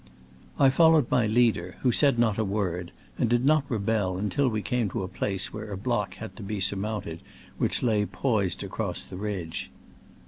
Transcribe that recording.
I followed my leader, who said not a word, and did not rebel until we came to a place where a block had to be sur mounted which lay poised across the ridge.